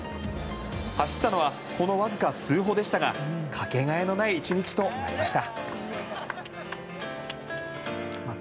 走ったのはこのわずか数歩でしたがかけがえのない１日となりました。